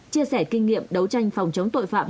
chia sẻ kinh nghiệm đấu tranh phòng chống tội phạm